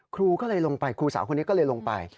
ครูก็ลงไปครูสาวก็ลงไป